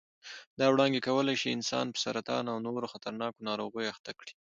دا وړانګې کولای شي انسان په سرطان او نورو خطرناکو ناروغیو اخته کړي.